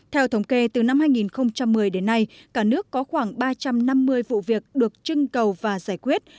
theo thống kê từ năm hai nghìn một mươi đến nay cả nước có khoảng ba trăm năm mươi vụ việc được trưng cầu và giải quyết